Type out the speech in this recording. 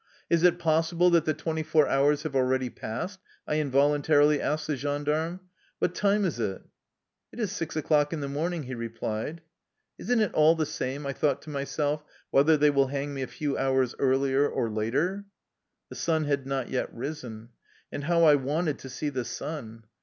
" Is it possible that the twenty four hours have already passed? " I involuntarily asked the gendarme. " What time is it? "" It is six o'clock in the morning," he replied. " Is n't it all the same," I thought to myself, " whether they will hang me a few hours earlier or later? " The sun had not yet risen. And how I wanted to see the sun!